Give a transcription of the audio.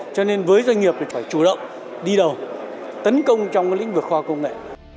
cho nên với doanh nghiệp thì phải chủ động đi đầu tấn công trong lĩnh vực khoa công nghệ